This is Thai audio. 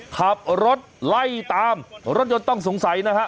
ขับรถไล่ตามรถยนต์ต้องสงสัยนะฮะ